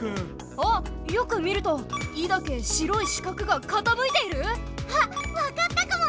あっよく見ると「イ」だけ白い四角がかたむいている⁉あっわかったかも！